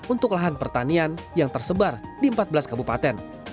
untuk lahan pertanian yang tersebar di empat belas kabupaten